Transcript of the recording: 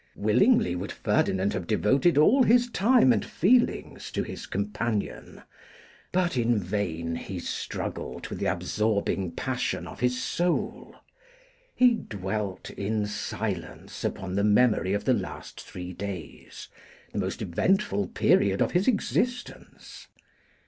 Willingly would Ferdinand have devoted all his time and feelings to his companion; but in vain he struggled with the absorbing passion of his soul. He dwelt in silence upon the memory of the last three days, the most eventful period of his existence.